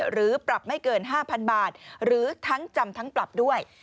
หรือปรับไม่เกิน๕๐๐๐บาทหรือทั้งจำทั้งปรับด้วย